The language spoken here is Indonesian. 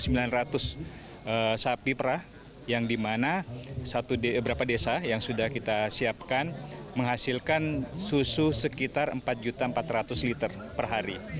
kita punya potensi tiga ribu sembilan ratus sapi perah yang dimana satu beberapa desa yang sudah kita siapkan menghasilkan susu sekitar empat empat ratus liter per hari